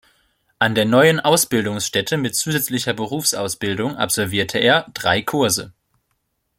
An der neuen Ausbildungsstätte mit zusätzlicher Berufsausbildung absolvierte er „drei Kurse“.